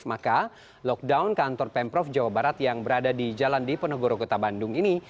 maka lockdown kantor pemprov jawa barat yang berada di jalan diponegoro kota bandung ini